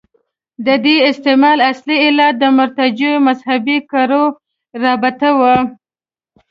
د دې استعمال اصلي علت د مرتجعو مذهبي کړیو رابطه وه.